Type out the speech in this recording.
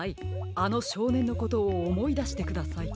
あのしょうねんのことをおもいだしてください。